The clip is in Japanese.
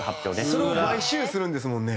それ毎週するんですもんね。